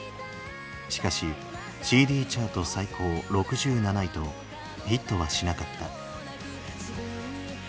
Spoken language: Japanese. しかしＣＤチャート最高６７位とヒットはしなかった。